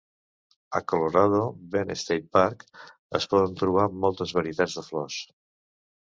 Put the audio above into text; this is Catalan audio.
A Colorado Bend State Park es poden trobar moltes varietats de flors.